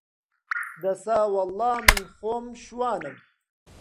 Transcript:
دەسا وەڵڵا من خۆم شوانم